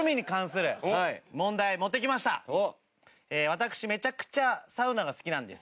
私めちゃくちゃサウナが好きなんです。